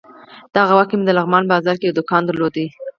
دغه وخت کې مې د لغمان بازار کې یو دوکان درلود.